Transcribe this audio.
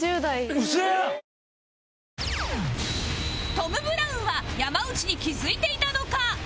トム・ブラウンは山内に気付いていたのか？